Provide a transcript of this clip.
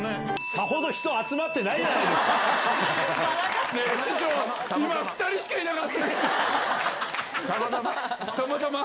さほど人集まってないじゃな市長、今、２人しかいなかったまたま。